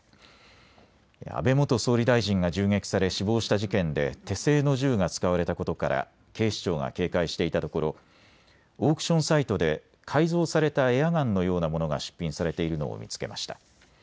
安倍元総理大臣が銃撃され死亡した事件で手製の銃が使われたことから警視庁が警戒していたところオークションサイトで改造されたエアガンのようなものが出品されているのを見つけました。